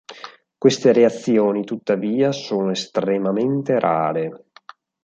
Queste reazioni tuttavia sono estremamente rare.